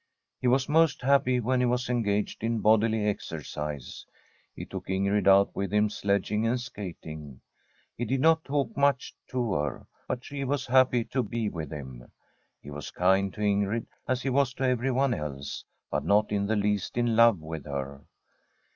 He was most happy when he was engaged in bodily exercise. He took Ingrid out with him sledging and skating. He did not talk much to her, but she was happy to be with him. He was kind to Ingrid, as he was to every one else, but not in the least in love with her.